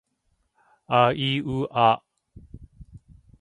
あいうあ